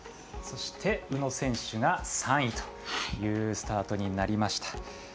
そして、宇野選手が３位というスタートになりました。